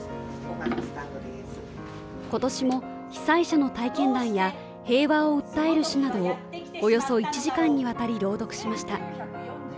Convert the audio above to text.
今年も被災者の体験談や平和を訴える詩などをおよそ１時間にわたり朗読しました。